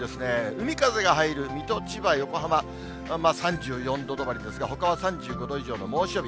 海風が入る水戸、千葉、横浜、３４度止まりですが、ほかは３５度以上の猛暑日。